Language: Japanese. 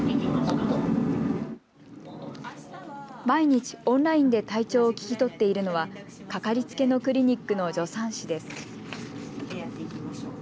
毎日オンラインで体調を聞き取っているのはかかりつけのクリニックの助産師です。